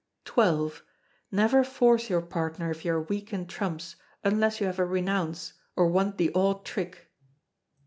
xx. Never force your partner if you are weak in trumps, unless you have a renounce, or want the odd trick.